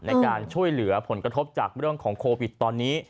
ในการช่วยเหลือผลกระทบจากเรื่องของโควิดตอนนี้